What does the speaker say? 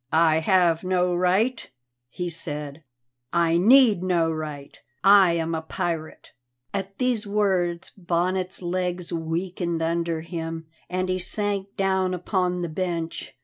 "I have no right," he said; "I need no right; I am a pirate!" At these words Bonnet's legs weakened under him, and he sank down upon the bench.